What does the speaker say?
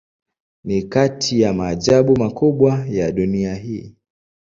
Ni kati ya maajabu makubwa ya dunia hii.